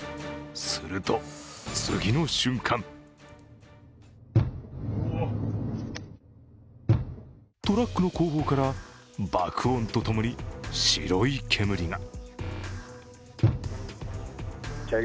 すると次の瞬間トラックの後方から爆音とともに白い煙が。